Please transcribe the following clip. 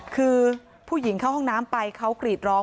คือผู้หญิงเข้าห้องน้ำไปเขากรีดร้อง